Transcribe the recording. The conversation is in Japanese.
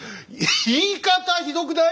言い方ひどくない？